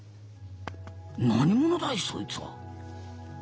何者だいそいつは。